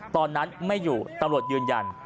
ตอนนั้นไม่อยู่ตำรวจยืนยัน